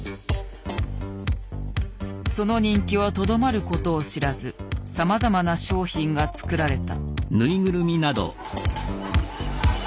その人気はとどまることを知らずさまざまな商品が作られた。